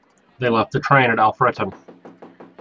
They left the train at Alfreton.